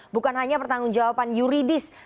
bukan hanya pertanggung jawaban yuridis